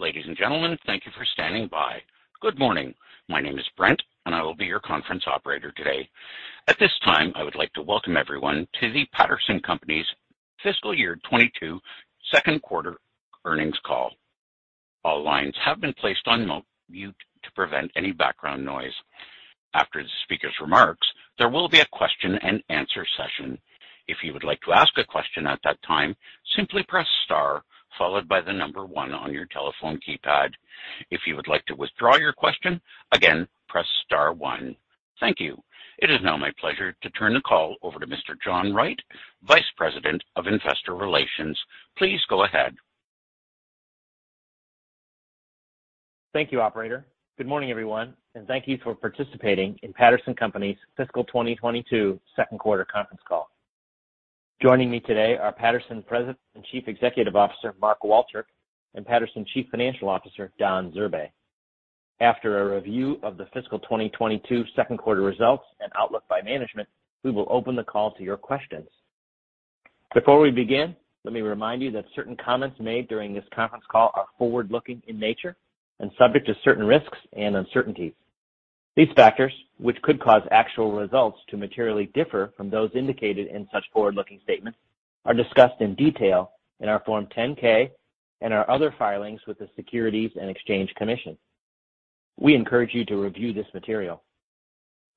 Ladies and gentlemen, thank you for standing by. Good morning. My name is Brent, and I will be your conference operator today. At this time, I would like to welcome everyone to the Patterson Companies' fiscal year 2022 Q2 earnings call. All lines have been placed on mute to prevent any background noise. After the speaker's remarks, there will be a question-and-answer session. If you would like to ask a question at that time, simply press star followed by the number one on your telephone keypad. If you would like to withdraw your question, again, press star one. Thank you. It is now my pleasure to turn the call over to Mr. John Wright, Vice President of Investor Relations. Please go ahead. Thank you, operator. Good morning, everyone, and thank you for participating in Patterson Companies' fiscal 2022 Q2 conference call. Joining me today are Patterson President and Chief Executive Officer, Mark Walchirk, and Patterson Chief Financial Officer, Don Zurbay. After a review of the fiscal 2022 Q2 results and outlook by management, we will open the call to your questions. Before we begin, let me remind you that certain comments made during this conference call are forward-looking in nature and subject to certain risks and uncertainties. These factors, which could cause actual results to materially differ from those indicated in such forward-looking statements, are discussed in detail in our Form 10-K and our other filings with the Securities and Exchange Commission. We encourage you to review this material.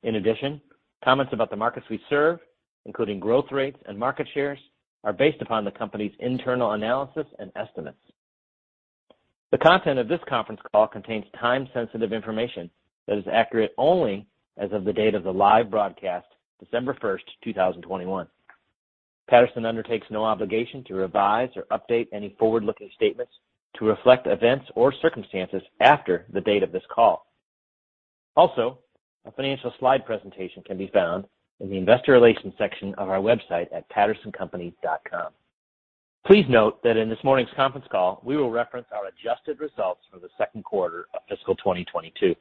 In addition, comments about the markets we serve, including growth rates and market shares, are based upon the company's internal analysis and estimates. The content of this conference call contains time-sensitive information that is accurate only as of the date of the live broadcast, December 1st, 2021. Patterson undertakes no obligation to revise or update any forward-looking statements to reflect events or circumstances after the date of this call. Also, a financial slide presentation can be found in the investor relations section of our website at pattersoncompanies.com. Please note that in this morning's conference call, we will reference our adjusted results for the Q2 of fiscal 2022.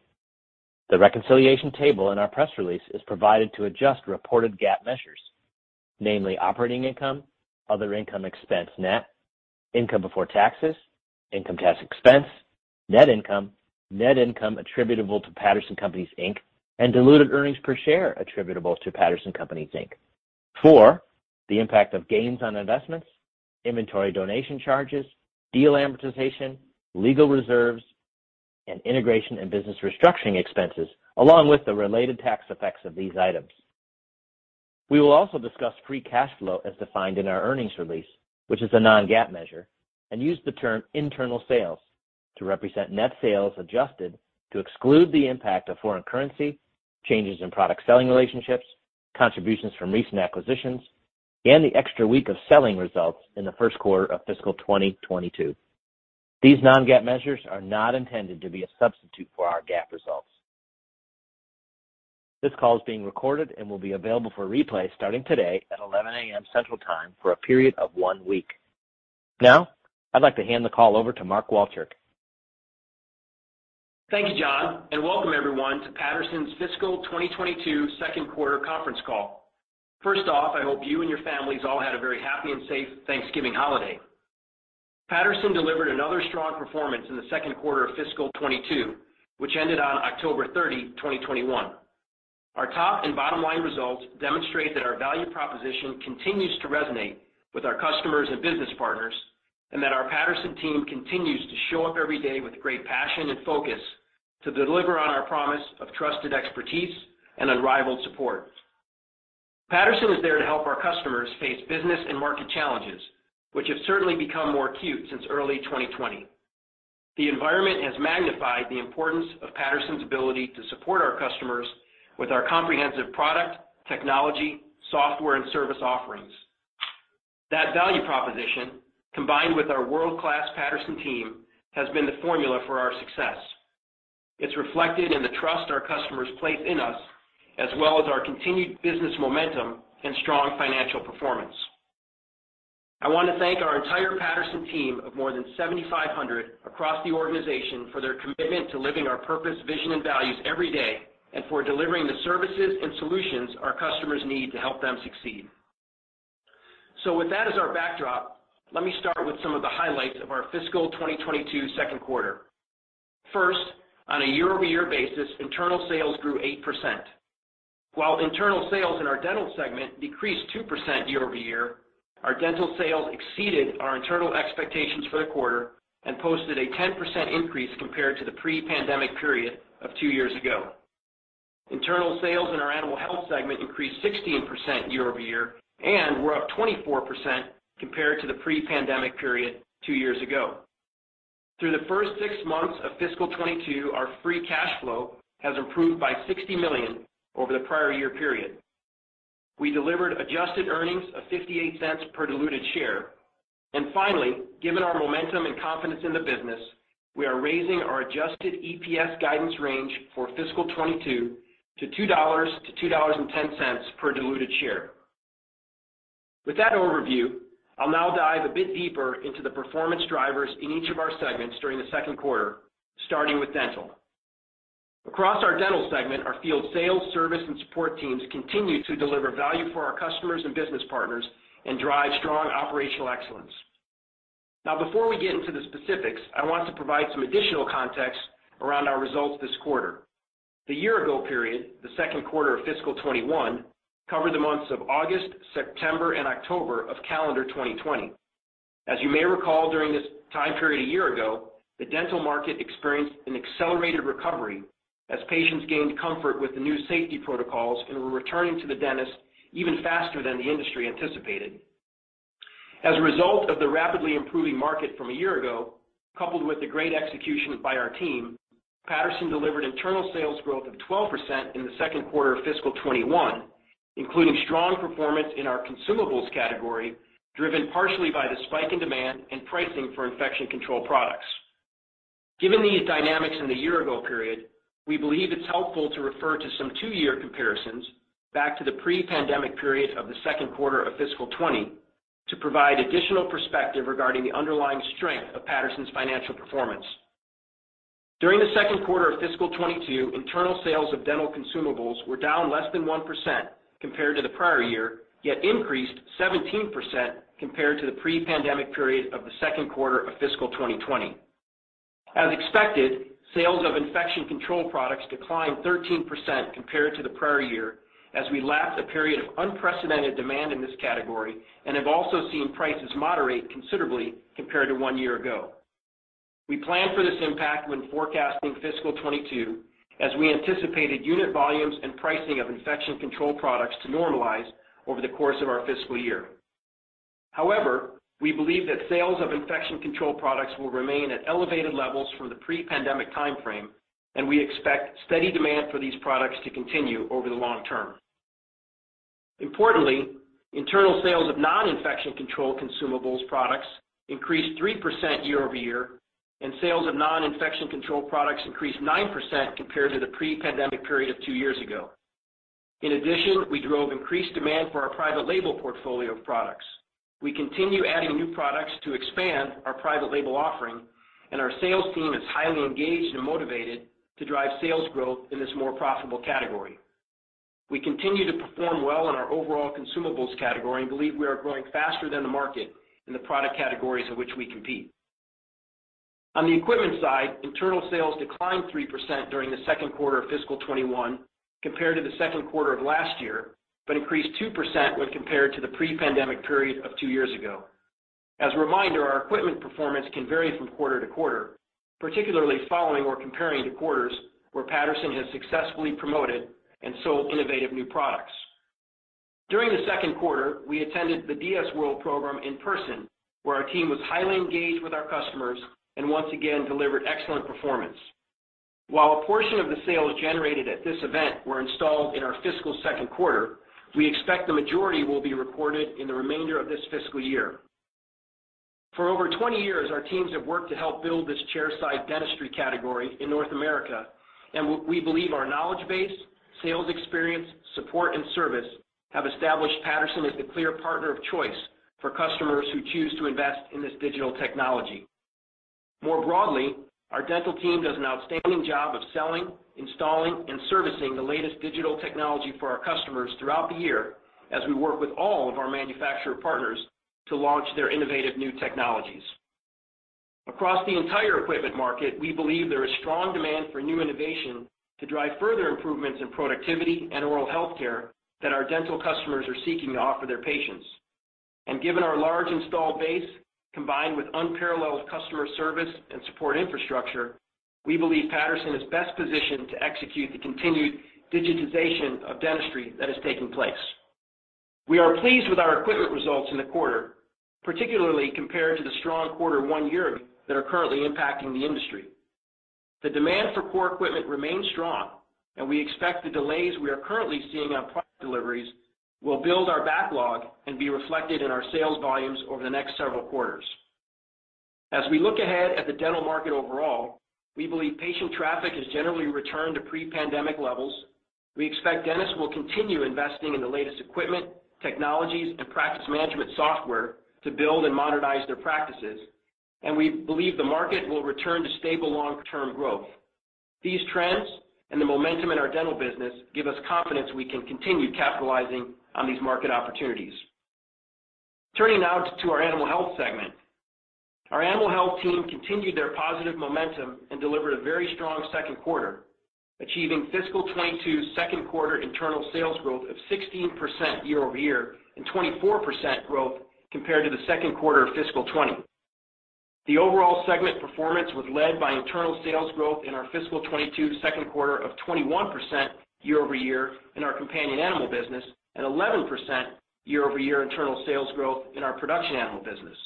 The reconciliation table in our press release is provided to adjust reported GAAP measures, namely operating income, other income expense net, income before taxes, income tax expense, net income, net income attributable to Patterson Companies, Inc., and diluted earnings per share attributable to Patterson Companies, Inc., for the impact of gains on investments, inventory donation charges, deal amortization, legal reserves, and integration and business restructuring expenses, along with the related tax effects of these items. We will also discuss free cash flow as defined in our earnings release, which is a non-GAAP measure, and use the term internal sales to represent net sales adjusted to exclude the impact of foreign currency, changes in product selling relationships, contributions from recent acquisitions, and the extra week of selling results in the Q1 of fiscal 2022. These non-GAAP measures are not intended to be a substitute for our GAAP results. This call is being recorded and will be available for replay starting today at 11:00 A.M. Central Time for a period of one week. Now, I'd like to hand the call over to Mark Walchirk. Thank you, John, and welcome everyone to Patterson's fiscal 2022 Q2 conference call. First off, I hope you and your families all had a very happy and safe Thanksgiving holiday. Patterson delivered another strong performance in the Q2 of fiscal 2022, which ended on October 30, 2021. Our top and bottom line results demonstrate that our value proposition continues to resonate with our customers and business partners, and that our Patterson team continues to show up every day with great passion and focus to deliver on our promise of trusted expertise and unrivaled support. Patterson is there to help our customers face business and market challenges, which have certainly become more acute since early 2020. The environment has magnified the importance of Patterson's ability to support our customers with our comprehensive product, technology, software, and service offerings. That value proposition, combined with our world-class Patterson team, has been the formula for our success. It's reflected in the trust our customers place in us, as well as our continued business momentum and strong financial performance. I want to thank our entire Patterson team of more than 7,500 across the organization for their commitment to living our purpose, vision, and values every day, and for delivering the services and solutions our customers need to help them succeed. With that as our backdrop, let me start with some of the highlights of our fiscal 2022 Q2. First, on a year-over-year basis, internal sales grew 8%. While internal sales in our dental segment decreased 2% year over year, our dental sales exceeded our internal expectations for the quarter and posted a 10% increase compared to the pre-pandemic period of two years ago. Internal sales in our Animal Health segment increased 16% year-over-year and were up 24% compared to the pre-pandemic period two years ago. Through the first six months of fiscal 2022, our free cash flow has improved by $60 million over the prior year period. We delivered adjusted earnings of $0.58 per diluted share. Finally, given our momentum and confidence in the business, we are raising our adjusted EPS guidance range for fiscal 2022 to $2-$2.10 per diluted share. With that overview, I'll now dive a bit deeper into the performance drivers in each of our segments during the Q2, starting with Dental. Across our Dental segment, our field sales, service and support teams continue to deliver value for our customers and business partners and drive strong operational excellence. Now, before we get into the specifics, I want to provide some additional context around our results this quarter. The year ago period, the Q2 of fiscal 2021, covered the months of August, September and October of calendar 2020. As you may recall, during this time period a year ago, the dental market experienced an accelerated recovery as patients gained comfort with the new safety protocols and were returning to the dentist even faster than the industry anticipated. As a result of the rapidly improving market from a year ago, coupled with the great execution by our team, Patterson delivered internal sales growth of 12% in the Q2 of fiscal 2021, including strong performance in our consumables category, driven partially by the spike in demand and pricing for infection control products. Given these dynamics in the year ago period, we believe it's helpful to refer to some two-year comparisons back to the pre-pandemic period of the Q2 of fiscal 2020 to provide additional perspective regarding the underlying strength of Patterson's financial performance. During the Q2 of fiscal 2022, internal sales of dental consumables were down less than 1% compared to the prior year, yet increased 17% compared to the pre-pandemic period of the Q2 of fiscal 2020. As expected, sales of infection control products declined 13% compared to the prior year as we lapsed a period of unprecedented demand in this category and have also seen prices moderate considerably compared to one year ago. We planned for this impact when forecasting fiscal 2022 as we anticipated unit volumes and pricing of infection control products to normalize over the course of our fiscal year. However, we believe that sales of infection control products will remain at elevated levels from the pre-pandemic time frame, and we expect steady demand for these products to continue over the long term. Importantly, internal sales of non-infection control consumables products increased 3% year-over-year, and sales of non-infection control products increased 9% compared to the pre-pandemic period of two years ago. In addition, we drove increased demand for our private label portfolio of products. We continue adding new products to expand our private label offering, and our sales team is highly engaged and motivated to drive sales growth in this more profitable category. We continue to perform well in our overall consumables category and believe we are growing faster than the market in the product categories in which we compete. On the equipment side, internal sales declined 3% during the Q2 of fiscal 2021 compared to the Q2 of last year, but increased 2% when compared to the pre-pandemic period of 2 years ago. Our equipment performance can vary from quarter to quarter, particularly following or comparing to quarters where Patterson has successfully promoted and sold innovative new products. During the Q2, we attended the DS World program in person, where our team was highly engaged with our customers and once again delivered excellent performance. While a portion of the sales generated at this event were installed in our fiscal Q2, we expect the majority will be reported in the remainder of this fiscal year. For over 20 years, our teams have worked to help build this chairside dentistry category in North America, and we believe our knowledge base, sales experience, support and service have established Patterson as the clear partner of choice for customers who choose to invest in this digital technology. More broadly, our dental team does an outstanding job of selling, installing and servicing the latest digital technology for our customers throughout the year as we work with all of our manufacturer partners to launch their innovative new technologies. Across the entire equipment market, we believe there is strong demand for new innovation to drive further improvements in productivity and oral health care that our dental customers are seeking to offer their patients. Given our large installed base, combined with unparalleled customer service and support infrastructure, we believe Patterson is best positioned to execute the continued digitization of dentistry that is taking place. We are pleased with our equipment results in the quarter, particularly compared to the strong quarter one year ago that is currently impacting the industry. The demand for core equipment remains strong, and we expect the delays we are currently seeing on product deliveries will build our backlog and be reflected in our sales volumes over the next several quarters. As we look ahead at the dental market overall, we believe patient traffic has generally returned to pre-pandemic levels. We expect dentists will continue investing in the latest equipment, technologies and practice management software to build and modernize their practices, and we believe the market will return to stable long-term growth. These trends and the momentum in our dental business give us confidence we can continue capitalizing on these market opportunities. Turning now to our animal health segment. Our animal health team continued their positive momentum and delivered a very strong Q2, achieving fiscal 2022 Q2 internal sales growth of 16% year-over-year and 24% growth compared to the Q2 of fiscal 2020. The overall segment performance was led by internal sales growth in our fiscal 2022 Q2 of 21% year-over-year in our companion animal business and 11% year-over-year internal sales growth in our production animal business.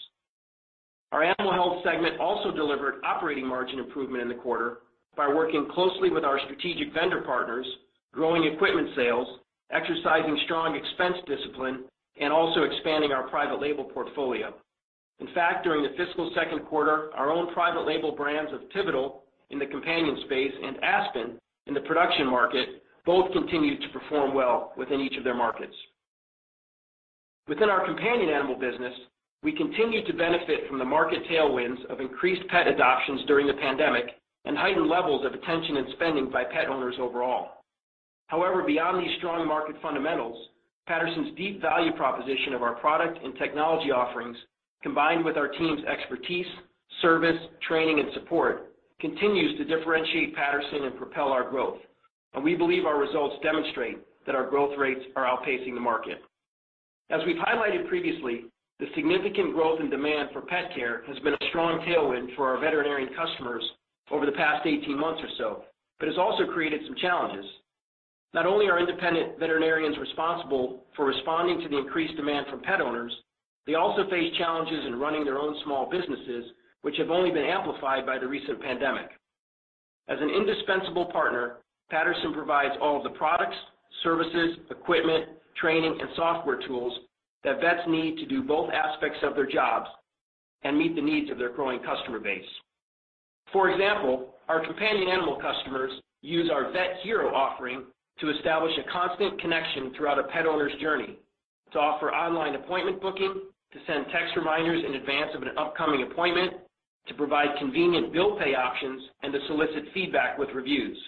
Our animal health segment also delivered operating margin improvement in the quarter by working closely with our strategic vendor partners, growing equipment sales, exercising strong expense discipline, and also expanding our private label portfolio. In fact, during the fiscal Q2, our own private label brands of Pivetal in the companion space and Aspen in the production market both continued to perform well within each of their markets. Within our companion animal business, we continue to benefit from the market tailwinds of increased pet adoptions during the pandemic and heightened levels of attention and spending by pet owners overall. However, beyond these strong market fundamentals, Patterson's deep value proposition of our product and technology offerings, combined with our team's expertise, service, training, and support, continues to differentiate Patterson and propel our growth. We believe our results demonstrate that our growth rates are outpacing the market. As we've highlighted previously, the significant growth and demand for pet care has been a strong tailwind for our veterinarian customers over the past 18 months or so, but has also created some challenges. Not only are independent veterinarians responsible for responding to the increased demand from pet owners, they also face challenges in running their own small businesses, which have only been amplified by the recent pandemic. As an indispensable partner, Patterson provides all of the products, services, equipment, training, and software tools that vets need to do both aspects of their jobs and meet the needs of their growing customer base. For example, our companion animal customers use our Vet Hero offering to establish a constant connection throughout a pet owner's journey to offer online appointment booking, to send text reminders in advance of an upcoming appointment, to provide convenient bill pay options, and to solicit feedback with reviews.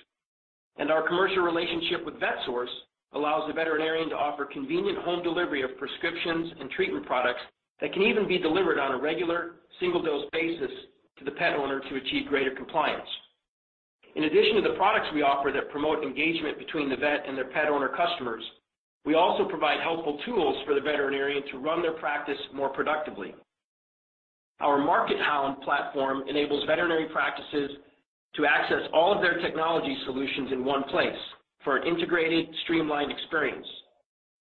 Our commercial relationship with Vetsource allows the veterinarian to offer convenient home delivery of prescriptions and treatment products that can even be delivered on a regular single-dose basis to the pet owner to achieve greater compliance. In addition to the products we offer that promote engagement between the vet and their pet owner customers, we also provide helpful tools for the veterinarian to run their practice more productively. Our MarketHowl platform enables veterinary practices to access all of their technology solutions in one place for an integrated, streamlined experience.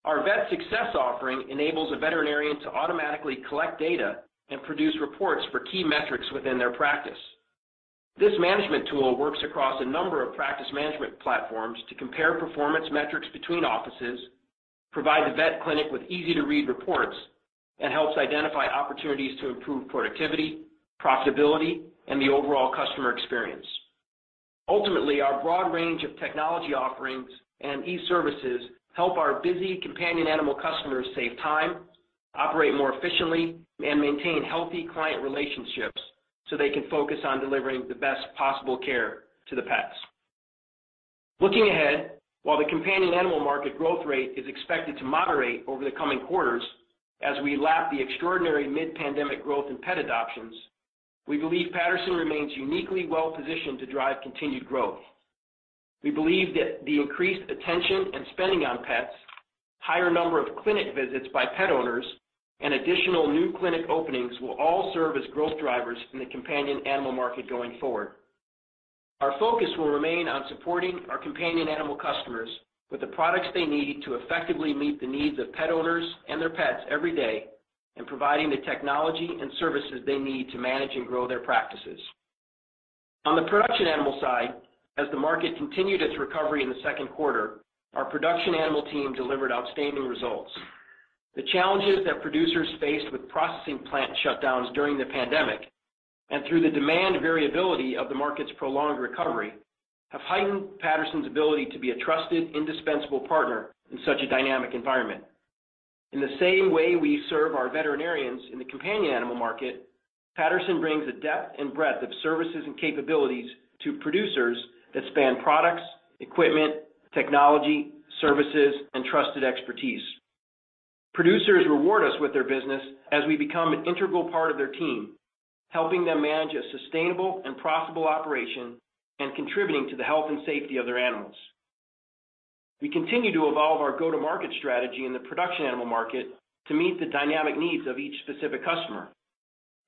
Our VetSuccess offering enables a veterinarian to automatically collect data and produce reports for key metrics within their practice. This management tool works across a number of practice management platforms to compare performance metrics between offices, provide the vet clinic with easy-to-read reports, and helps identify opportunities to improve productivity, profitability, and the overall customer experience. Ultimately, our broad range of technology offerings and e-services help our busy companion animal customers save time, operate more efficiently, and maintain healthy client relationships so they can focus on delivering the best possible care to the pets. Looking ahead, while the companion animal market growth rate is expected to moderate over the coming quarters as we lap the extraordinary mid-pandemic growth in pet adoptions, we believe Patterson remains uniquely well-positioned to drive continued growth. We believe that the increased attention and spending on pets, higher number of clinic visits by pet owners, and additional new clinic openings will all serve as growth drivers in the companion animal market going forward. Our focus will remain on supporting our companion animal customers with the products they need to effectively meet the needs of pet owners and their pets every day, and providing the technology and services they need to manage and grow their practices. On the production animal side, as the market continued its recovery in the Q2, our production animal team delivered outstanding results. The challenges that producers faced with processing plant shutdowns during the pandemic and through the demand variability of the market's prolonged recovery have heightened Patterson's ability to be a trusted, indispensable partner in such a dynamic environment. In the same way we serve our veterinarians in the companion animal market, Patterson brings a depth and breadth of services and capabilities to producers that span products, equipment, technology, services, and trusted expertise. Producers reward us with their business as we become an integral part of their team, helping them manage a sustainable and profitable operation and contributing to the health and safety of their animals. We continue to evolve our go-to-market strategy in the production animal market to meet the dynamic needs of each specific customer.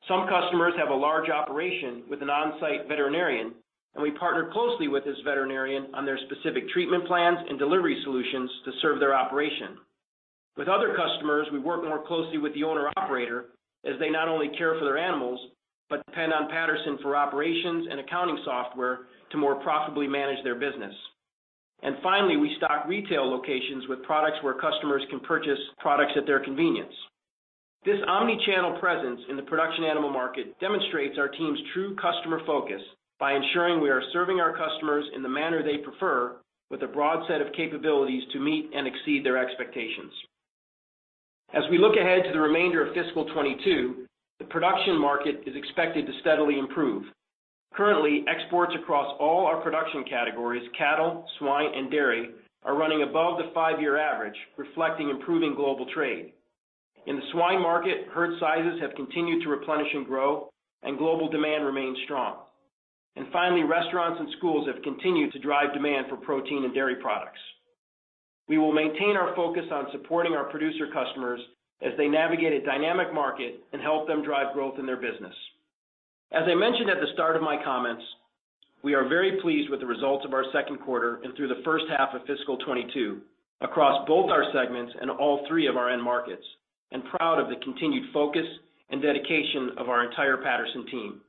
Some customers have a large operation with an on-site veterinarian, and we partner closely with this veterinarian on their specific treatment plans and delivery solutions to serve their operation. With other customers, we work more closely with the owner-operator as they not only care for their animals, but depend on Patterson for operations and accounting software to more profitably manage their business. Finally, we stock retail locations with products where customers can purchase products at their convenience. This omni-channel presence in the production animal market demonstrates our team's true customer focus by ensuring we are serving our customers in the manner they prefer with a broad set of capabilities to meet and exceed their expectations. As we look ahead to the remainder of fiscal 2022, the production market is expected to steadily improve. Currently, exports across all our production categories, cattle, swine, and dairy, are running above the five-year average, reflecting improving global trade. In the swine market, herd sizes have continued to replenish and grow, and global demand remains strong. Finally, restaurants and schools have continued to drive demand for protein and dairy products. We will maintain our focus on supporting our producer customers as they navigate a dynamic market and help them drive growth in their business. As I mentioned at the start of my comments, we are very pleased with the results of our Q2 and through the first half of fiscal 2022 across both our segments and all three of our end markets, and proud of the continued focus and dedication of our entire Patterson team.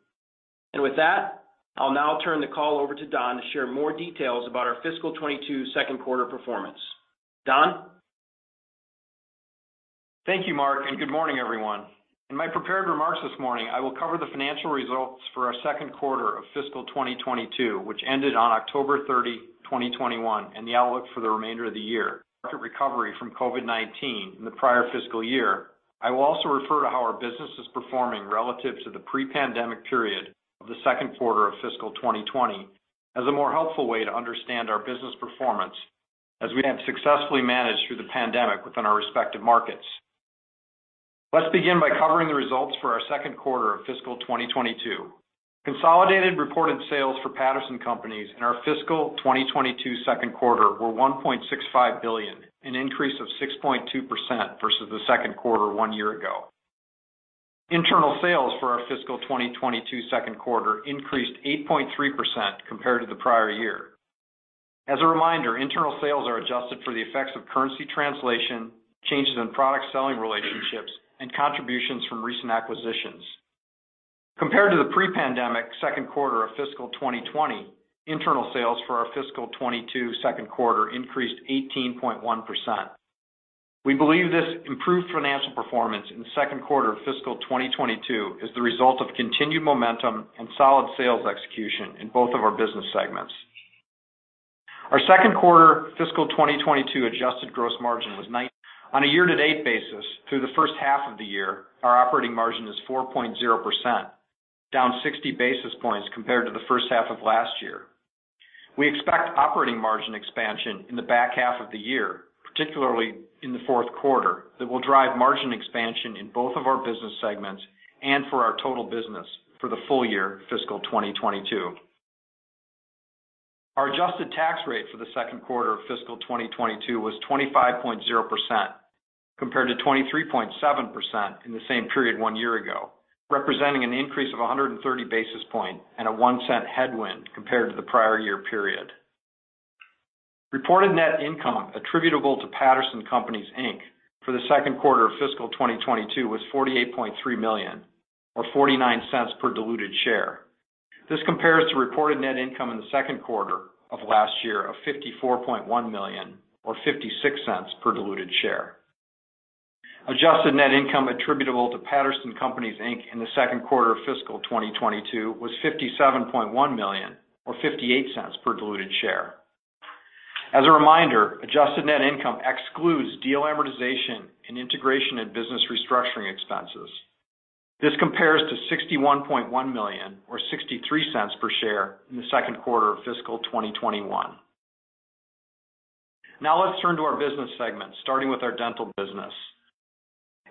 With that, I'll now turn the call over to Don to share more details about our fiscal 2022 Q2 performance. Don? Thank you, Mark, and good morning, everyone. In my prepared remarks this morning, I will cover the financial results for our Q2 of fiscal 2022, which ended on October 30, 2021, and the outlook for the remainder of the year. In the recovery from COVID-19 in the prior fiscal year, I will also refer to how our business is performing relative to the pre-pandemic period of the Q2 of fiscal 2020, as a more helpful way to understand our business performance as we have successfully managed through the pandemic within our respective markets. Let's begin by covering the results for our Q2 of fiscal 2022. Consolidated reported sales for Patterson Companies in our fiscal 2022 Q2 were $1.65 billion, an increase of 6.2% versus the Q2 one year ago. Internal sales for our fiscal 2022 Q2 increased 8.3% compared to the prior year. As a reminder, internal sales are adjusted for the effects of currency translation, changes in product selling relationships, and contributions from recent acquisitions. Compared to the pre-pandemic Q2 of fiscal 2020, internal sales for our fiscal 2022 Q2 increased 18.1%. We believe this improved financial performance in the Q2 of fiscal 2022 is the result of continued momentum and solid sales execution in both of our business segments. Our Q2 fiscal 2022 adjusted gross margin was 9%. On a year-to-date basis through the first half of the year, our operating margin is 4.0%, down 60 basis points compared to the first half of last year. We expect operating margin expansion in the back half of the year, particularly in the Q4, that will drive margin expansion in both of our business segments and for our total business for the full year fiscal 2022. Our adjusted tax rate for the Q2 of fiscal 2022 was 25.0%, compared to 23.7% in the same period one year ago, representing an increase of 130 basis points and a $0.01 headwind compared to the prior year period. Reported net income attributable to Patterson Companies, Inc. for the Q2 of fiscal 2022 was $48.3 million or $0.49 per diluted share. This compares to reported net income in the Q2 of last year of $54.1 million or $0.56 per diluted share. Adjusted net income attributable to Patterson Companies, Inc. In the Q2 of fiscal 2022 was $57.1 million or $0.58 per diluted share. As a reminder, adjusted net income excludes deal amortization and integration and business restructuring expenses. This compares to $61.1 million or $0.63 per share in the Q2 of fiscal 2021. Now let's turn to our business segment, starting with our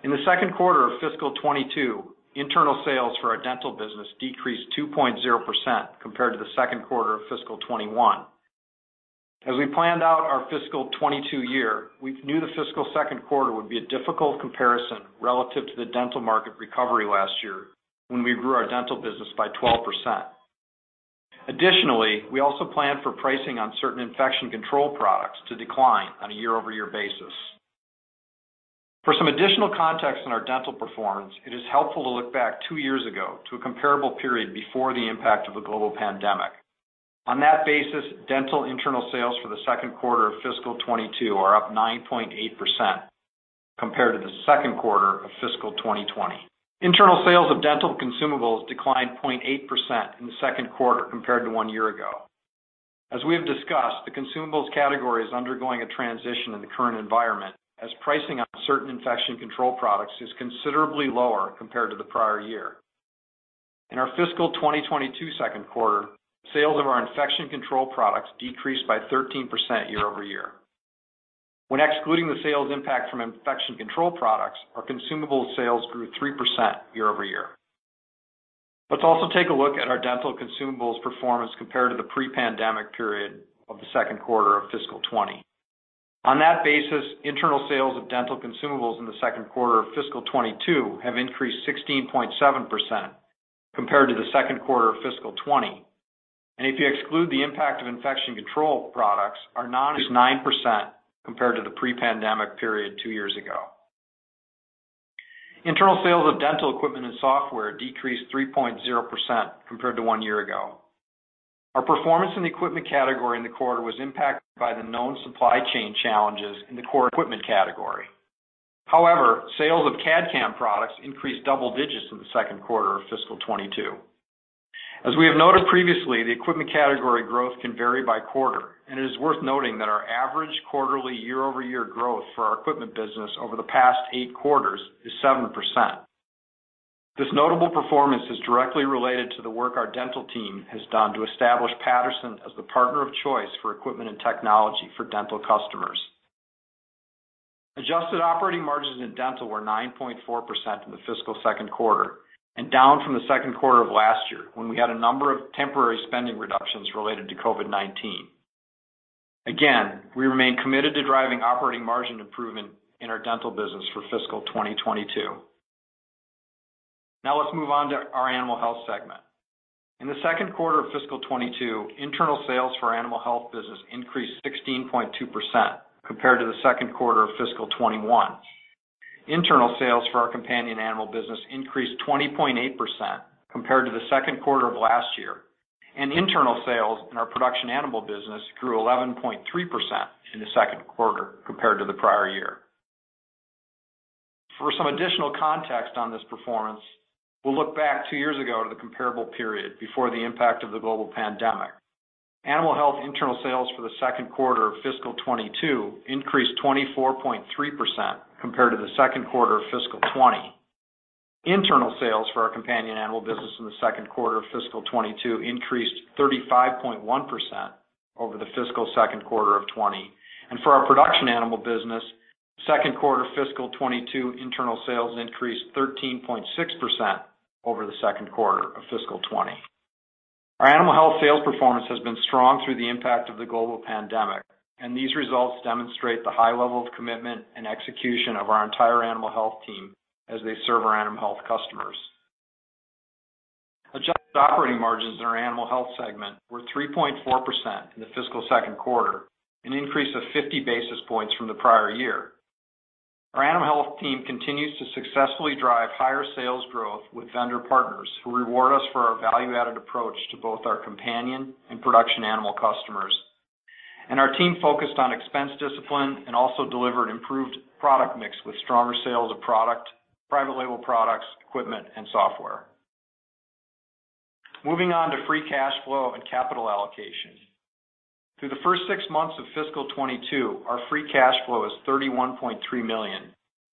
dental business. In the Q2 of fiscal 2022, internal sales for our dental business decreased 2.0% compared to the Q2 of fiscal 2021. As we planned out our fiscal 2022 year, we knew the fiscal Q2 would be a difficult comparison relative to the dental market recovery last year when we grew our dental business by 12%. Additionally, we also planned for pricing on certain infection control products to decline on a year-over-year basis. For some additional context on our Dental performance, it is helpful to look back two years ago to a comparable period before the impact of the global pandemic. On that basis, Dental internal sales for the Q2 of fiscal 2022 are up 9.8% compared to the Q2 of fiscal 2020. Internal sales of Dental consumables declined 0.8% in the Q2 compared to one year ago. As we have discussed, the consumables category is undergoing a transition in the current environment as pricing on certain infection control products is considerably lower compared to the prior year. In our fiscal 2022 Q2, sales of our infection control products decreased by 13% year-over-year. When excluding the sales impact from infection control products, our consumable sales grew 3% year-over-year. Let's also take a look at our dental consumables performance compared to the pre-pandemic period of the Q2 of fiscal 2020. On that basis, internal sales of dental consumables in the Q2 of fiscal 2022 have increased 16.7% compared to the Q2 of fiscal 2020. If you exclude the impact of infection control products is 9% compared to the pre-pandemic period two years ago. Internal sales of dental equipment and software decreased 3.0% compared to one year ago. Our performance in the equipment category in the quarter was impacted by the known supply chain challenges in the core equipment category. However, sales of CAD/CAM products increased double digits in the Q2 of fiscal 2022. As we have noted previously, the equipment category growth can vary by quarter, and it is worth noting that our average quarterly year-over-year growth for our equipment business over the past eight quarters is 7%. This notable performance is directly related to the work our dental team has done to establish Patterson as the partner of choice for equipment and technology for dental customers. Adjusted operating margins in dental were 9.4% in the fiscal Q2 and down from the Q2 of last year when we had a number of temporary spending reductions related to COVID-19. Again, we remain committed to driving operating margin improvement in our dental business for fiscal 2022. Now let's move on to our animal health segment. In the Q2 of fiscal 2022, internal sales for our animal health business increased 16.2% compared to the Q2 of fiscal 2021. Internal sales for our companion animal business increased 20.8% compared to the Q2 of last year. Internal sales in our production animal business grew 11.3% in the Q2 compared to the prior year. For some additional context on this performance, we'll look back two years ago to the comparable period before the impact of the global pandemic. Animal health internal sales for the Q2 of fiscal 2022 increased 24.3% compared to the Q2 of fiscal 2020. Internal sales for our companion animal business in the Q2 of fiscal 2022 increased 35.1% over the fiscal Q2 of 2020. For our production animal business, Q2 fiscal 2022 internal sales increased 13.6% over the Q2 of fiscal 2020. Our animal health sales performance has been strong through the impact of the global pandemic, and these results demonstrate the high level of commitment and execution of our entire animal health team as they serve our animal health customers. Adjusted operating margins in our animal health segment were 3.4% in the fiscal Q2, an increase of 50 basis points from the prior year. Our animal health team continues to successfully drive higher sales growth with vendor partners who reward us for our value-added approach to both our companion and production animal customers. Our team focused on expense discipline and also delivered improved product mix with stronger sales of product, private label products, equipment and software. Moving on to free cash flow and capital allocation. Through the first six months of fiscal 2022, our free cash flow is $31.3 million,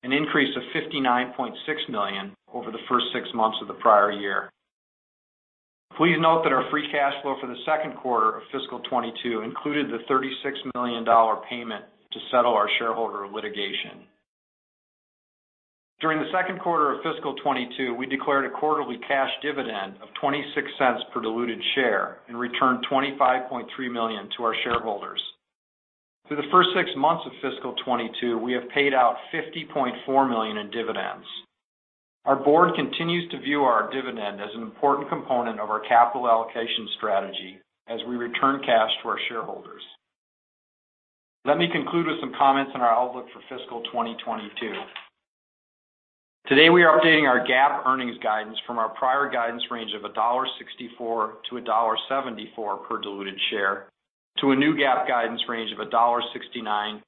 an increase of $59.6 million over the first six months of the prior year. Please note that our free cash flow for the Q2 of fiscal 2022 included the $36 million payment to settle our shareholder litigation. During the Q2 of fiscal 2022, we declared a quarterly cash dividend of $0.26 per diluted share and returned $25.3 million to our shareholders. Through the first six months of fiscal 2022, we have paid out $50.4 million in dividends. Our board continues to view our dividend as an important component of our capital allocation strategy as we return cash to our shareholders. Let me conclude with some comments on our outlook for fiscal 2022. Today, we are updating our GAAP earnings guidance from our prior guidance range of $1.64-$1.74 per diluted share to a new GAAP guidance range of $1.69-$1.79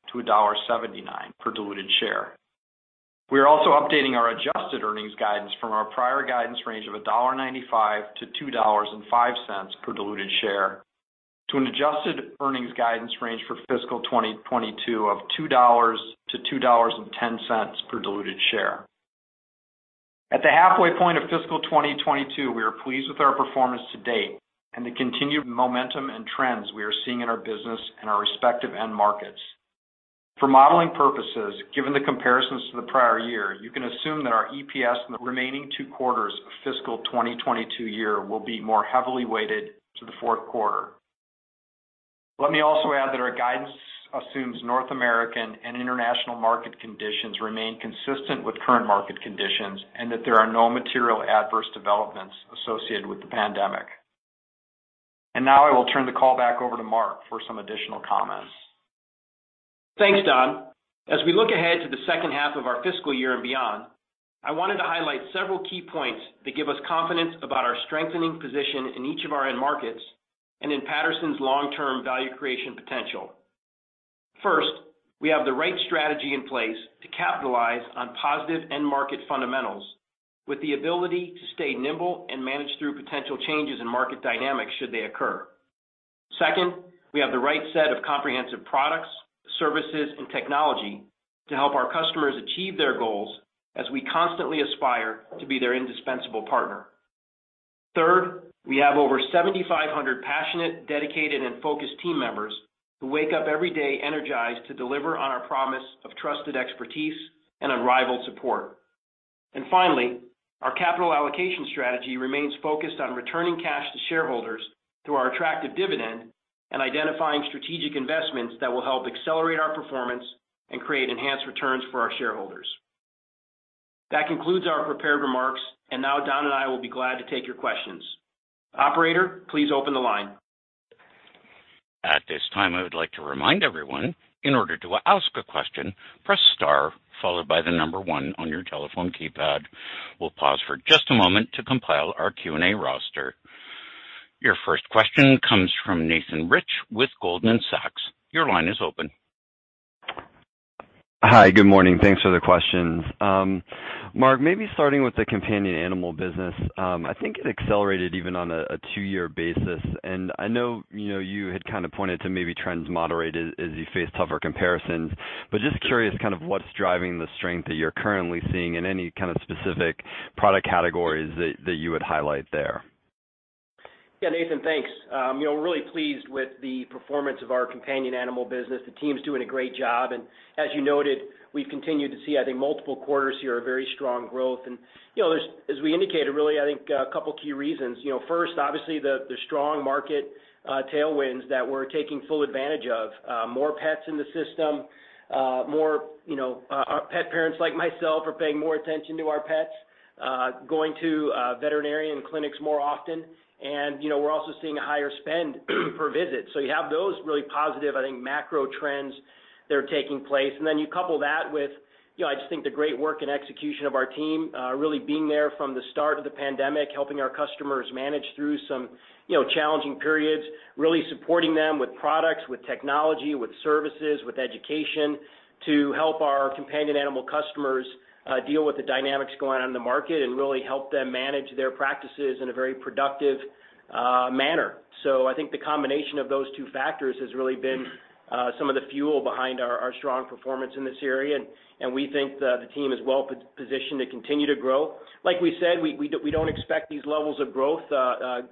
per diluted share. We are also updating our adjusted earnings guidance from our prior guidance range of $1.95-$2.05 per diluted share, to an adjusted earnings guidance range for fiscal 2022 of $2.00-$2.10 per diluted share. At the halfway point of fiscal 2022, we are pleased with our performance to date and the continued momentum and trends we are seeing in our business and our respective end markets. For modeling purposes, given the comparisons to the prior year, you can assume that our EPS in the remaining two quarters of fiscal 2022 year will be more heavily weighted to the Q4. Let me also add that our guidance assumes North American and international market conditions remain consistent with current market conditions, and that there are no material adverse developments associated with the pandemic. Now I will turn the call back over to Mark for some additional comments. Thanks, Don. As we look ahead to the second half of our fiscal year and beyond, I wanted to highlight several key points that give us confidence about our strengthening position in each of our end markets and in Patterson's long-term value creation potential. First, we have the right strategy in place to capitalize on positive end market fundamentals with the ability to stay nimble and manage through potential changes in market dynamics should they occur. Second, we have the right set of comprehensive products, services, and technology to help our customers achieve their goals as we constantly aspire to be their indispensable partner. Third, we have over 7,500 passionate, dedicated, and focused team members who wake up every day energized to deliver on our promise of trusted expertise and unrivaled support. Finally, our capital allocation strategy remains focused on returning cash to shareholders through our attractive dividend and identifying strategic investments that will help accelerate our performance and create enhanced returns for our shareholders. That concludes our prepared remarks, and now Don and I will be glad to take your questions. Operator, please open the line. At this time, I would like to remind everyone, in order to ask a question, press star followed by the number one on your telephone keypad. We'll pause for just a moment to compile our Q&A roster. Your first question comes from Nathan Rich with Goldman Sachs. Your line is open. Hi. Good morning. Thanks for the questions. Mark, maybe starting with the companion animal business. I think it accelerated even on a two-year basis. I know, you know, you had kind of pointed to maybe trends moderated as you face tougher comparisons. Just curious, kind of what's driving the strength that you're currently seeing and any kind of specific product categories that you would highlight there? Yeah, Nathan, thanks. You know, we're really pleased with the performance of our companion animal business. The team's doing a great job, and as you noted, we've continued to see, I think, multiple quarters here of very strong growth. You know, there's, as we indicated, really, I think a couple of key reasons. You know, first, obviously the strong market tailwinds that we're taking full advantage of. More pets in the system, more, you know, our pet parents like myself are paying more attention to our pets, going to veterinarian clinics more often. You know, we're also seeing a higher spend per visit. You have those really positive, I think, macro trends that are taking place. You couple that with, you know, I just think the great work and execution of our team, really being there from the start of the pandemic, helping our customers manage through some, you know, challenging periods, really supporting them with products, with technology, with services, with education to help our companion animal customers, deal with the dynamics going on in the market and really help them manage their practices in a very productive, manner. I think the combination of those two factors has really been, some of the fuel behind our strong performance in this area, and we think that the team is well positioned to continue to grow. Like we said, we don't expect these levels of growth,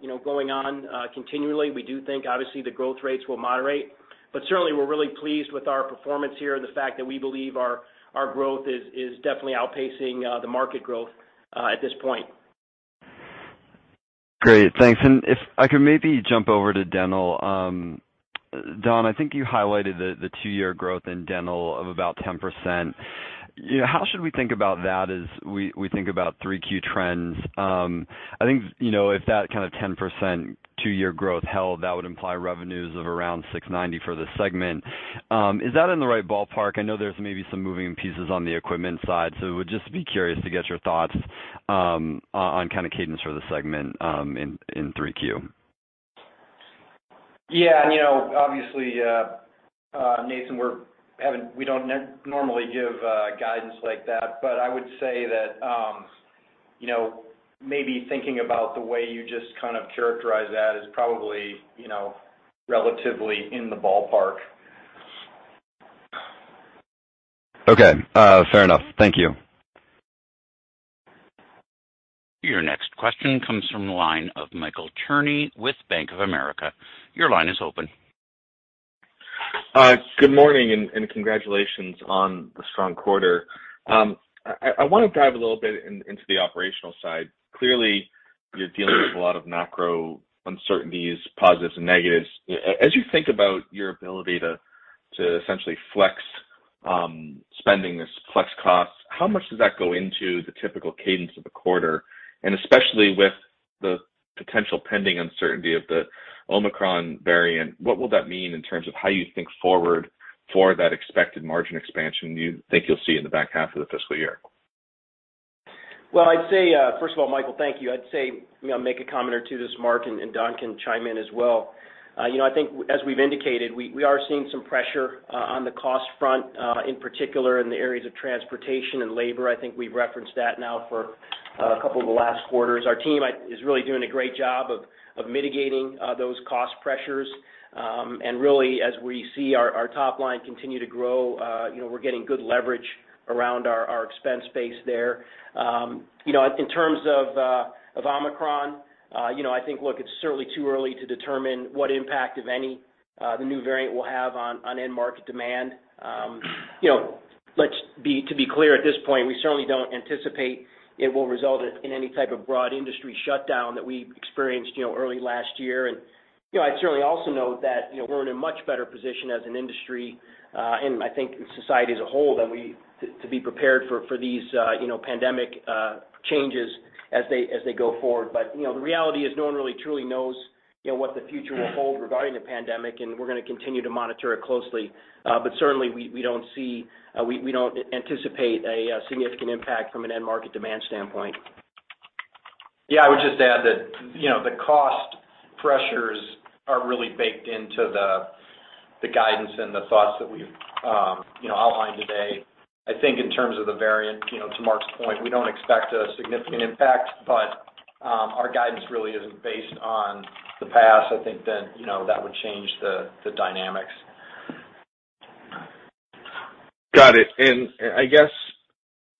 you know, going on, continually. We do think obviously the growth rates will moderate, but certainly we're really pleased with our performance here, and the fact that we believe our growth is definitely outpacing the market growth at this point. Great. Thanks. If I could maybe jump over to Dental. Don, I think you highlighted the two-year growth in Dental of about 10%. You know, how should we think about that as we think about 3Q trends? I think, you know, if that kind of 10% two-year growth held, that would imply revenues of around $690 million for this segment. Is that in the right ballpark? I know there's maybe some moving pieces on the equipment side, so would just be curious to get your thoughts on kind of cadence for the segment in 3Q. Yeah. You know, obviously, Nathan, we don't normally give guidance like that, but I would say that, you know, maybe thinking about the way you just kind of characterize that is probably, you know, relatively in the ballpark. Okay. Fair enough. Thank you. Your next question comes from the line of Michael Cherny with Bank of America. Your line is open. Good morning and congratulations on the strong quarter. I wanna dive a little bit into the operational side. Clearly, you're dealing with a lot of macro uncertainties, positives, and negatives. As you think about your ability to essentially flex spending this flex costs, how much does that go into the typical cadence of the quarter? Especially with the potential pending uncertainty of the Omicron variant, what will that mean in terms of how you think forward for that expected margin expansion you think you'll see in the back half of the fiscal year? Well, I'd say, first of all, Michael, thank you. I'd say, you know, make a comment or two to this, Mark, and Don can chime in as well. You know, I think as we've indicated, we are seeing some pressure on the cost front in particular in the areas of transportation and labor. I think we've referenced that now for a couple of the last quarters. Our team is really doing a great job of mitigating those cost pressures. Really, as we see our top line continue to grow, you know, we're getting good leverage around our expense base there. You know, in terms of of Omicron, you know, I think, look, it's certainly too early to determine what impact, if any, the new variant will have on end market demand. To be clear at this point, we certainly don't anticipate it will result in any type of broad industry shutdown that we experienced early last year. You know, I'd certainly also note that we're in a much better position as an industry, and I think society as a whole, than we were to be prepared for these pandemic changes as they go forward. The reality is no one really truly knows what the future will hold regarding the pandemic, and we're gonna continue to monitor it closely. Certainly we don't see, we don't anticipate a significant impact from an end market demand standpoint. Yeah. I would just add that, you know, the cost pressures are really baked into the guidance and the thoughts that we've, you know, outlined today. I think in terms of the variant, you know, to Mark's point, we don't expect a significant impact, but, our guidance really isn't based on the past. I think then, you know, that would change the dynamics. Got it. I guess,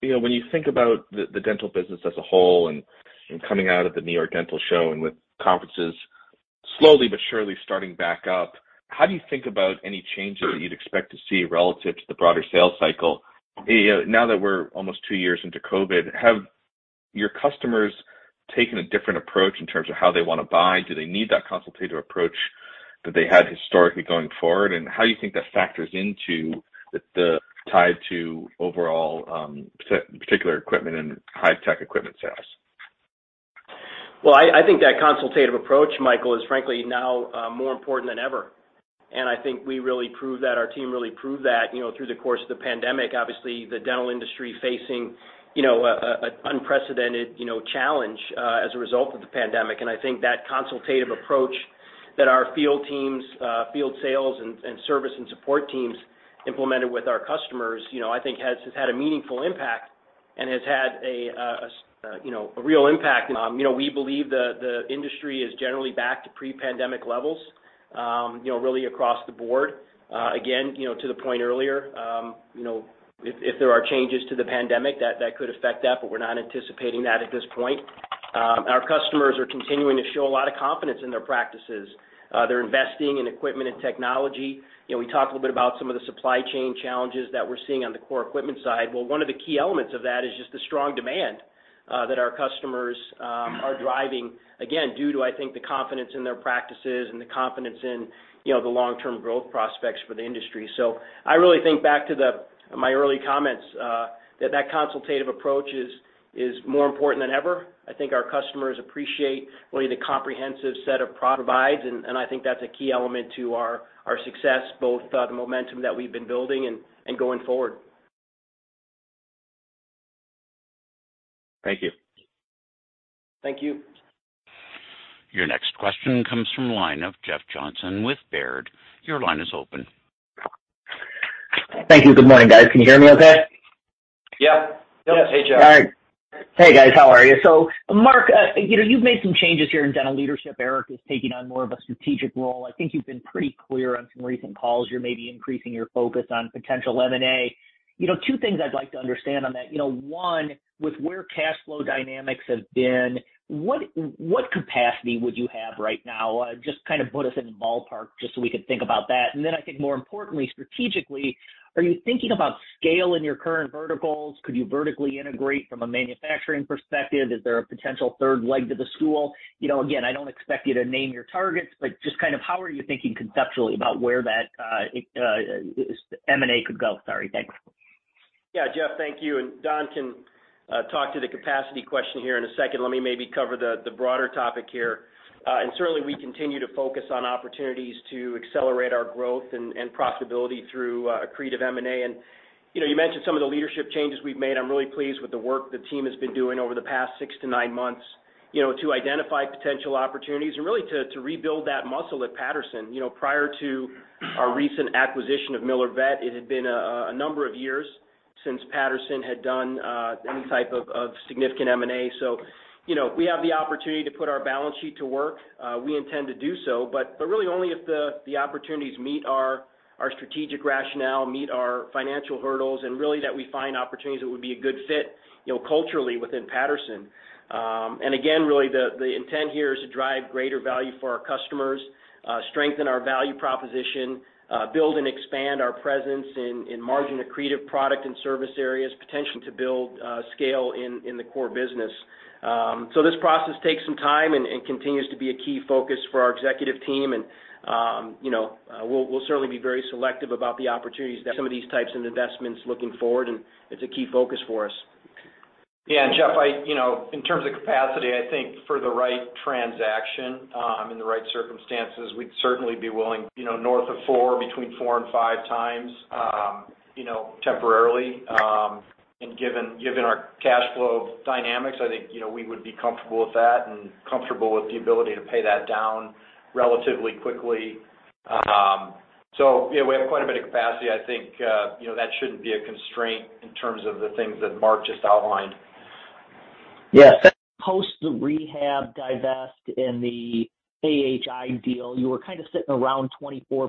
you know, when you think about the dental business as a whole and coming out of the New York Dental Show and with conferences slowly but surely starting back up, how do you think about any changes that you'd expect to see relative to the broader sales cycle? You know, now that we're almost two years into COVID, have your customers taken a different approach in terms of how they wanna buy? Do they need that consultative approach that they had historically going forward? How do you think that factors into the tied to overall particular equipment and high-tech equipment sales? Well, I think that consultative approach, Michael, is frankly now more important than ever. I think we really proved that. Our team really proved that, you know, through the course of the pandemic. Obviously, the dental industry facing, you know, a unprecedented, you know, challenge as a result of the pandemic. I think that consultative approach that our field teams field sales and service and support teams implemented with our customers, you know, I think has had a meaningful impact and has had a real impact. You know, we believe the industry is generally back to pre-pandemic levels, you know, really across the board. Again, you know, to the point earlier, you know, if there are changes to the pandemic, that could affect that, but we're not anticipating that at this point. Our customers are continuing to show a lot of confidence in their practices. They're investing in equipment and technology. You know, we talked a little bit about some of the supply chain challenges that we're seeing on the core equipment side. Well, one of the key elements of that is just the strong demand that our customers are driving, again, due to, I think, the confidence in their practices and the confidence in you know, the long-term growth prospects for the industry. I really think back to my early comments that that consultative approach is more important than ever. I think our customers appreciate really the comprehensive set of products, and I think that's a key element to our success, both the momentum that we've been building and going forward. Thank you. Thank you. Your next question comes from the line of Jeff Johnson with Baird. Your line is open. Thank you. Good morning, guys. Can you hear me okay? Yeah. Yes. Hey, Jeff. All right. Hey guys, how are you? Mark, you know, you've made some changes here in dental leadership. Eric is taking on more of a strategic role. I think you've been pretty clear on some recent calls. You're maybe increasing your focus on potential M&A. You know, two things I'd like to understand on that. You know, one, with where cash flow dynamics have been, what capacity would you have right now? Just kind of put us in the ballpark just so we could think about that. I think more importantly, strategically, are you thinking about scale in your current verticals? Could you vertically integrate from a manufacturing perspective? Is there a potential third leg to the stool? You know, again, I don't expect you to name your targets, but just kind of how are you thinking conceptually about where this M&A could go? Sorry. Thanks. Yeah. Jeff, thank you. Don can talk to the capacity question here in a second. Let me maybe cover the broader topic here. Certainly we continue to focus on opportunities to accelerate our growth and profitability through accretive M&A. You know, you mentioned some of the leadership changes we've made. I'm really pleased with the work the team has been doing over the past six to nine months, you know, to identify potential opportunities and really to rebuild that muscle at Patterson. You know, prior to our recent acquisition of Miller Vet, it had been a number of years since Patterson had done any type of significant M&A. You know, we have the opportunity to put our balance sheet to work. We intend to do so, but really only if the opportunities meet our strategic rationale, meet our financial hurdles, and really that we find opportunities that would be a good fit, you know, culturally within Patterson. Again, really the intent here is to drive greater value for our customers, strengthen our value proposition, build and expand our presence in margin accretive product and service areas, potential to build scale in the core business. This process takes some time and continues to be a key focus for our executive team. You know, we'll certainly be very selective about the opportunities that some of these types of investments looking forward, and it's a key focus for us. Yeah. Jeff, I you know, in terms of capacity, I think for the right transaction, and the right circumstances, we'd certainly be willing, you know, north of four, between four and five times, you know, temporarily. Given our cash flow dynamics, I think, you know, we would be comfortable with that and comfortable with the ability to pay that down relatively quickly. Yeah, we have quite a bit of capacity. I think, you know, that shouldn't be a constraint in terms of the things that Mark just outlined. Yes. Post the rehab divest in the AHI deal, you were kind of sitting around 24%.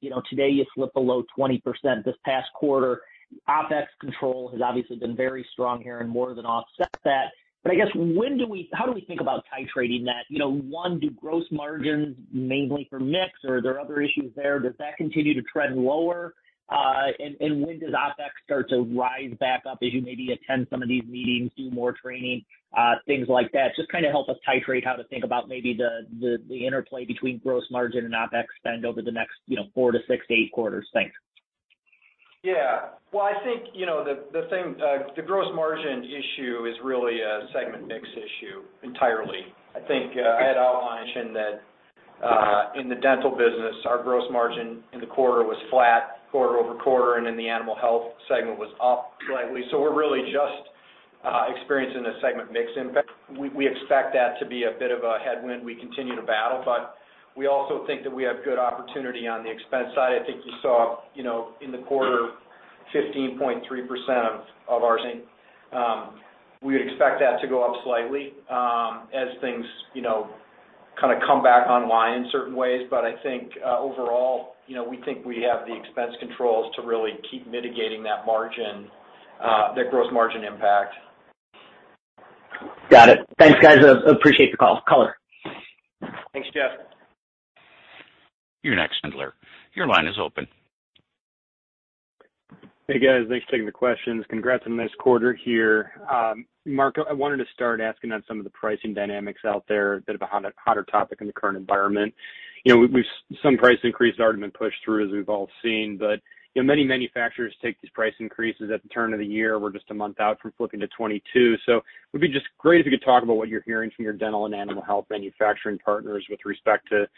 You know, today, you slipped below 20% this past quarter. OpEx control has obviously been very strong here and more than offset that. I guess when do we how do we think about titrating that? You know, one, do gross margins mainly for mix or are there other issues there? Does that continue to trend lower? And when does OpEx start to rise back up as you maybe attend some of these meetings, do more training, things like that? Just kind of help us titrate how to think about maybe the interplay between gross margin and OpEx spend over the next, you know, four-six-eight quarters. Thanks. Yeah. Well, I think, you know, the thing, the gross margin issue is really a segment mix issue entirely. I think I had outlined that in the dental business, our gross margin in the quarter was flat quarter-over-quarter, and in the animal health segment was up slightly. We're really just experiencing a segment mix impact. We expect that to be a bit of a headwind we continue to battle, but we also think that we have good opportunity on the expense side. I think you saw, you know, in the quarter 15.3% of our sales. We would expect that to go up slightly, as things, you know, kinda come back online in certain ways. I think, overall, you know, we think we have the expense controls to really keep mitigating that margin, the gross margin impact. Got it. Thanks, guys. Appreciate the call color. Thanks, Jeff. You're next, Kevin Ellich. Your line is open. Hey, guys. Thanks for taking the questions. Congrats on this quarter here. Mark, I wanted to start asking on some of the pricing dynamics out there, a bit of a hotter topic in the current environment. You know, some price increases already been pushed through, as we've all seen. You know, many manufacturers take these price increases at the turn of the year. We're just a month out from flipping to 2022. It would be just great if you could talk about what you're hearing from your dental and animal health manufacturing partners with respect to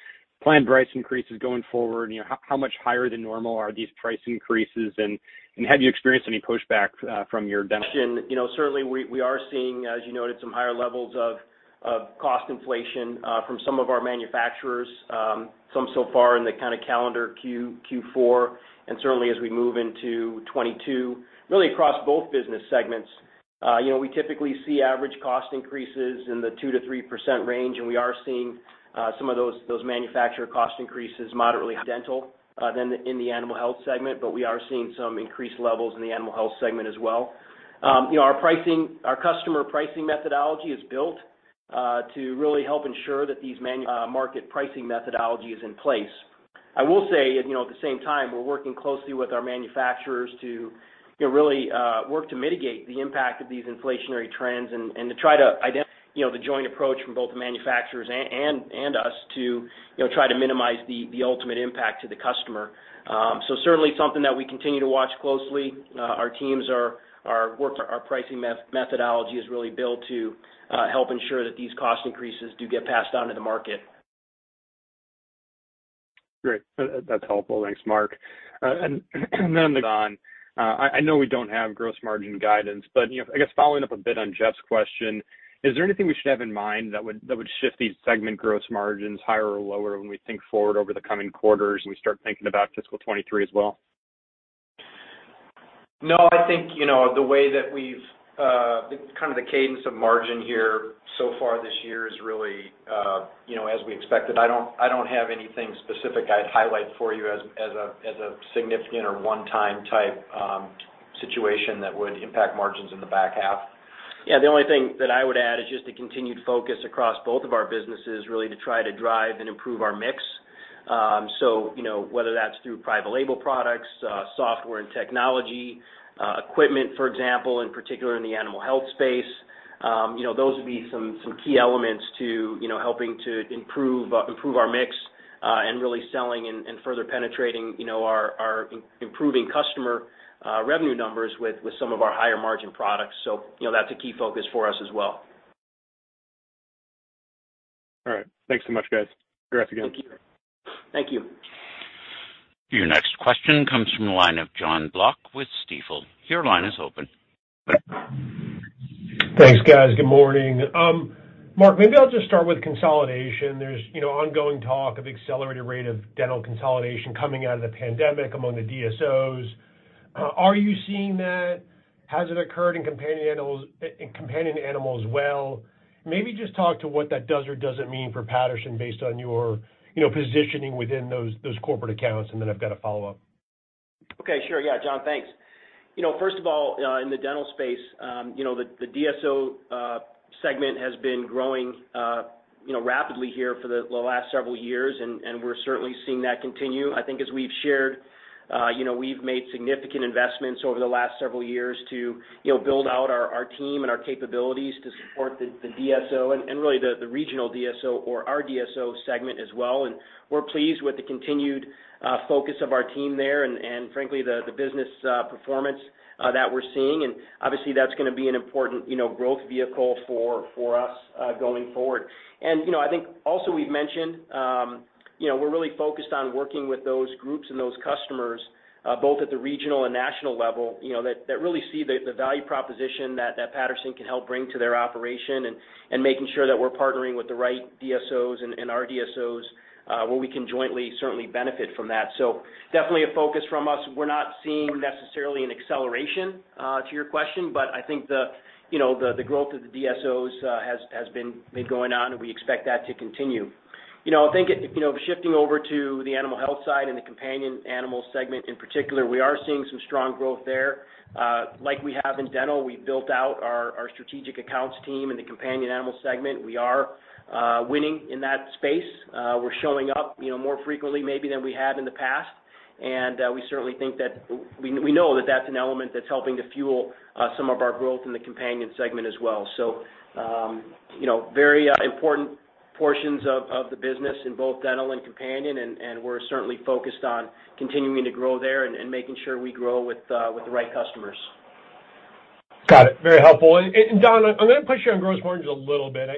planned price increases going forward. You know, how much higher than normal are these price increases, and have you experienced any pushback from your dental? You know, certainly we are seeing, as you noted, some higher levels of cost inflation from some of our manufacturers, some so far in the kind of calendar Q4, and certainly as we move into 2022, really across both business segments. You know, we typically see average cost increases in the 2%-3% range, and we are seeing some of those manufacturer cost increases moderately higher in Dental than in the Animal Health segment, but we are seeing some increased levels in the Animal Health segment as well. You know, our customer pricing methodology is built to really help ensure that these market pricing methodology is in place. I will say, you know, at the same time, we're working closely with our manufacturers to, you know, really, work to mitigate the impact of these inflationary trends and to try to identify, you know, the joint approach from both the manufacturers and us to, you know, try to minimize the ultimate impact to the customer. Certainly something that we continue to watch closely. Our pricing methodology is really built to help ensure that these cost increases do get passed on to the market. Great. That's helpful. Thanks, Mark. Then Don, I know we don't have gross margin guidance, but, you know, I guess following up a bit on Jeff's question, is there anything we should have in mind that would shift these segment gross margins higher or lower when we think forward over the coming quarters and we start thinking about fiscal 2023 as well? No, I think, you know, the way that we've kind of the cadence of margin here so far this year is really, you know, as we expected. I don't have anything specific I'd highlight for you as a significant or one-time type situation that would impact margins in the back half. Yeah. The only thing that I would add is just the continued focus across both of our businesses, really to try to drive and improve our mix. you know, whether that's through private label products, software and technology, equipment, for example, in particular in the animal health space, you know, those would be some key elements to, you know, helping to improve our mix, and really selling and further penetrating, you know, our improving customer revenue numbers with some of our higher margin products. you know, that's a key focus for us as well. All right. Thanks so much, guys. Progress again. Thank you. Thank you. Your next question comes from the line of Jonathan Block with Stifel. Your line is open. Thanks, guys. Good morning. Mark, maybe I'll just start with consolidation. There's, you know, ongoing talk of accelerated rate of dental consolidation coming out of the pandemic among the DSOs. Are you seeing that? Has it occurred in companion animals well? Maybe just talk to what that does or doesn't mean for Patterson based on your, you know, positioning within those corporate accounts, and then I've got a follow-up. Okay. Sure. John, thanks. You know, first of all, in the dental space, you know, the DSO segment has been growing, you know, rapidly here for the last several years, and we're certainly seeing that continue. I think as we've shared, you know, we've made significant investments over the last several years to you know, build out our team and our capabilities to support the DSO and really the regional DSO or our DSO segment as well. We're pleased with the continued focus of our team there and frankly, the business performance that we're seeing. Obviously, that's gonna be an important you know, growth vehicle for us going forward. You know, I think also we've mentioned. You know, we're really focused on working with those groups and those customers, both at the regional and national level, you know, that really see the value proposition that Patterson can help bring to their operation and making sure that we're partnering with the right DSOs and RDSOs, where we can jointly certainly benefit from that. Definitely a focus from us. We're not seeing necessarily an acceleration to your question, but I think the, you know, the growth of the DSOs has been going on, and we expect that to continue. You know, I think, you know, shifting over to the animal health side and the companion animal segment in particular, we are seeing some strong growth there. Like we have in dental, we've built out our strategic accounts team in the companion animal segment. We are winning in that space. We're showing up, you know, more frequently maybe than we have in the past. We know that that's an element that's helping to fuel some of our growth in the companion segment as well. You know, very important portions of the business in both dental and companion, and we're certainly focused on continuing to grow there and making sure we grow with the right customers. Got it. Very helpful. Don, I'm gonna push you on gross margins a little bit.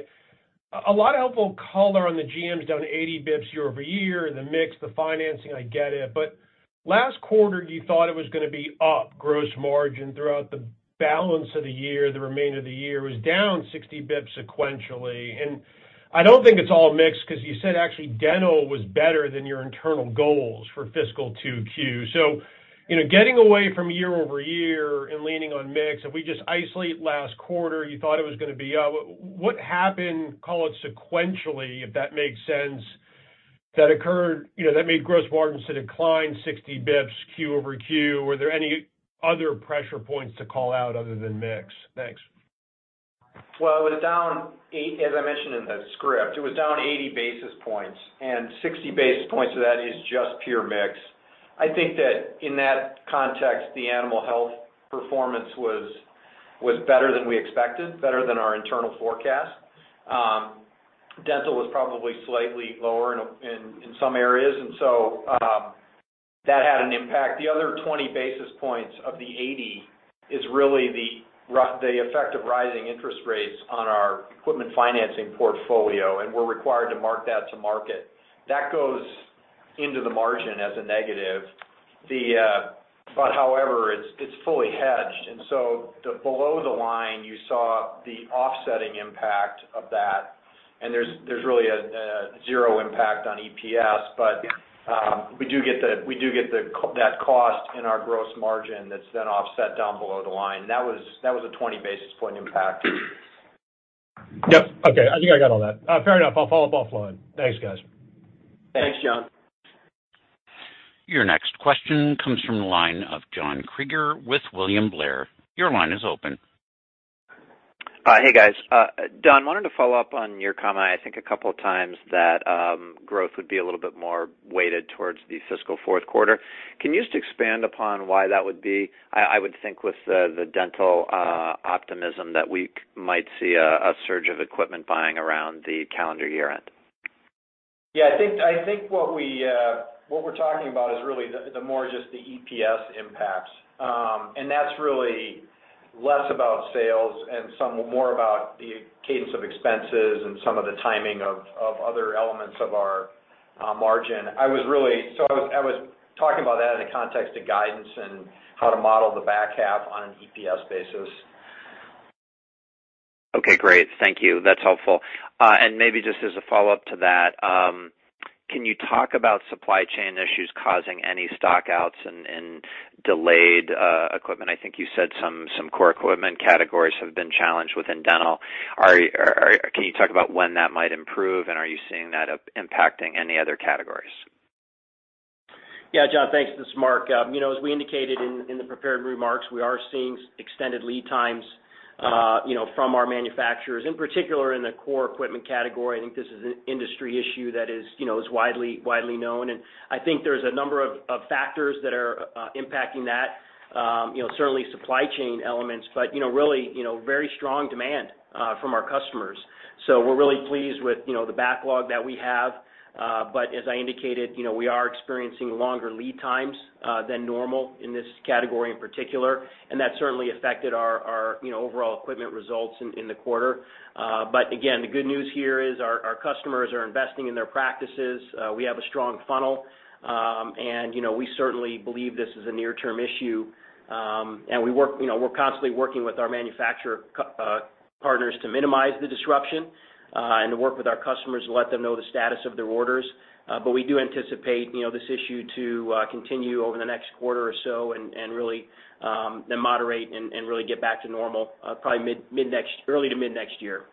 A lot of helpful color on the GMs down 80 basis points year-over-year, the mix, the financing, I get it. Last quarter, you thought it was gonna be up gross margin throughout the balance of the year. The remainder of the year was down 60 basis points sequentially. I don't think it's all mix 'cause you said actually dental was better than your internal goals for fiscal 2Q. You know, getting away from year-over-year and leaning on mix, if we just isolate last quarter, you thought it was gonna be up. What happened, call it sequentially, if that makes sense, that occurred, you know, that made gross margins decline 60 basis points quarter-over-quarter? Were there any other pressure points to call out other than mix? Thanks. Well, as I mentioned in the script, it was down 80 basis points, and 60 basis points of that is just pure mix. I think that in that context, the animal health performance was better than we expected, better than our internal forecast. Dental was probably slightly lower in some areas, and so that had an impact. The other 20 basis points of the 80 is really the effect of rising interest rates on our equipment financing portfolio, and we're required to mark that to market. That goes into the margin as a negative. But however, it's fully hedged, and so below the line, you saw the offsetting impact of that, and there's really a zero impact on EPS. We do get that cost in our gross margin that's then offset down below the line. That was a 20 basis point impact. Yep. Okay. I think I got all that. Fair enough. I'll follow up offline. Thanks, guys. Thanks. Thanks, John. Your next question comes from the line of John Kreger with William Blair. Your line is open. Hey, guys. Don, wanted to follow up on your comment, I think, a couple of times that growth would be a little bit more weighted towards the fiscal Q4. Can you just expand upon why that would be? I would think with the dental optimism that we might see a surge of equipment buying around the calendar year end. Yeah, I think what we're talking about is really the more just the EPS impact. That's really less about sales and some more about the cadence of expenses and some of the timing of other elements of our margin. I was talking about that in the context of guidance and how to model the back half on an EPS basis. Okay, great. Thank you. That's helpful. Maybe just as a follow-up to that, can you talk about supply chain issues causing any stock outs and delayed equipment? I think you said some core equipment categories have been challenged within dental. Can you talk about when that might improve, and are you seeing that impacting any other categories? Yeah, John, thanks. This is Mark. You know, as we indicated in the prepared remarks, we are seeing extended lead times, you know, from our manufacturers, in particular in the core equipment category. I think this is an industry issue that is, you know, widely known. I think there's a number of factors that are impacting that. You know, certainly supply chain elements, but really very strong demand from our customers. We're really pleased with the backlog that we have. As I indicated, you know, we are experiencing longer lead times than normal in this category in particular, and that certainly affected our overall equipment results in the quarter. Again, the good news here is our customers are investing in their practices. We have a strong funnel. You know, we certainly believe this is a near-term issue. You know, we're constantly working with our manufacturer partners to minimize the disruption and to work with our customers to let them know the status of their orders. We do anticipate this issue to continue over the next quarter or so and really then moderate and really get back to normal, probably early to mid next year.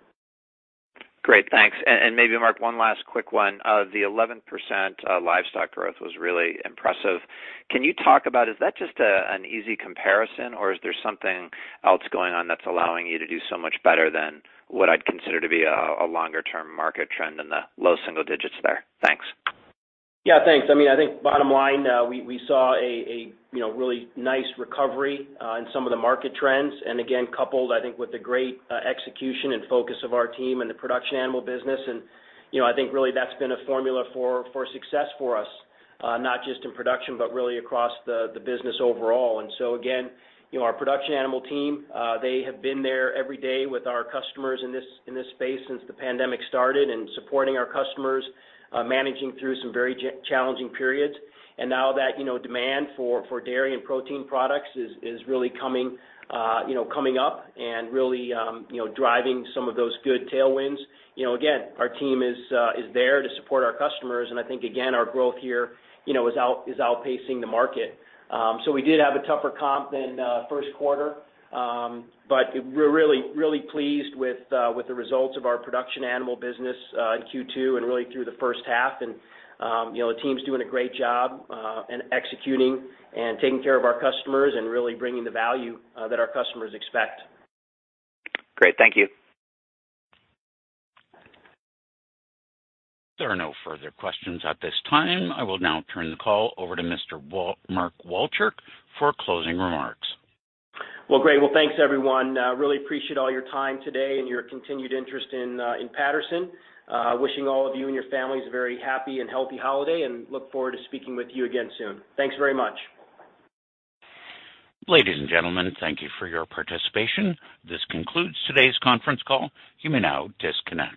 Great. Thanks. Maybe, Mark, one last quick one. The 11% livestock growth was really impressive. Can you talk about, is that just an easy comparison or is there something else going on that's allowing you to do so much better than what I'd consider to be a longer term market trend in the low single digits there? Thanks. Yeah, thanks. I mean, I think bottom line, we saw a you know really nice recovery in some of the market trends. Again, coupled I think with the great execution and focus of our team in the production animal business. You know, I think really that's been a formula for success for us not just in production, but really across the business overall. Again, you know, our production animal team they have been there every day with our customers in this space since the pandemic started and supporting our customers managing through some very challenging periods. Now that, you know, demand for dairy and protein products is really coming up and really driving some of those good tailwinds, you know, again, our team is there to support our customers. I think, again, our growth here, you know, is outpacing the market. We did have a tougher comp than Q1. We're really pleased with the results of our production animal business in Q2 and really through the first half. You know, the team's doing a great job in executing and taking care of our customers and really bringing the value that our customers expect. Great. Thank you. There are no further questions at this time. I will now turn the call over to Mark Walchirk for closing remarks. Well, great. Well, thanks everyone. Really appreciate all your time today and your continued interest in Patterson. Wishing all of you and your families a very happy and healthy holiday, and look forward to speaking with you again soon. Thanks very much. Ladies and gentlemen, thank you for your participation. This concludes today's conference call. You may now disconnect.